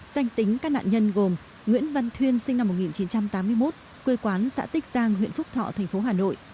danh tính các nạn nhân gồm nguyễn văn thuyên sinh năm một nghìn chín trăm tám mươi một quê quán xã tích giang huyện phúc thọ thành phố hà nội